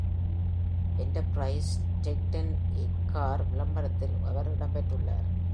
Enterprise rent a car விளம்பரத்தில் அவர் இடம்பெற்றுள்ளார்.